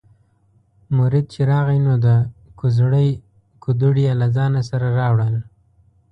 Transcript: مرید چې راغی نو د کوزړۍ کودوړي یې له ځانه سره راوړل.